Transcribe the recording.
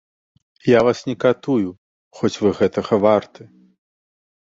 Я вас не катую, хоць вы гэтага варты.